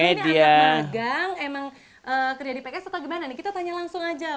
kerja di pks atau gimana kita tanya langsung aja